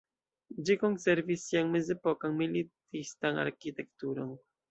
Ĝi konservis sian mezepokan militistan arkitekturon.